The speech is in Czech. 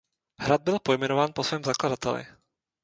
Hrad byl pojmenován po svém zakladateli.